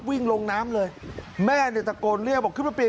วิ่งลงน้ำเลยแม่เนี่ยตะโกนเรียกบอกขึ้นมาเปลี่ยน